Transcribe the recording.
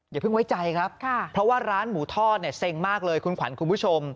อย่าเพิ่งไว้ใจครับเพราะว่าร้านหมูทอดเนี่ยเซ็งมากเลยคุณขวัญคุณผู้ชม